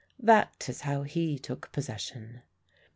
That is how he took possession.